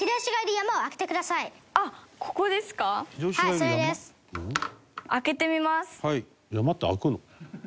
山って開くの？